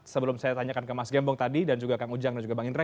sebelum saya tanyakan ke mas gembong tadi dan juga kang ujang dan juga bang indra